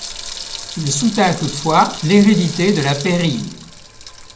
Il soutint toutefois l'hérédité de la pairie.